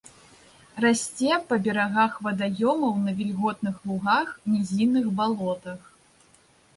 Расце па берагах вадаёмаў, на вільготных лугах, нізінных балотах.